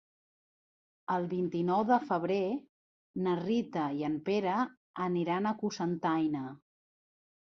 El vint-i-nou de febrer na Rita i en Pere aniran a Cocentaina.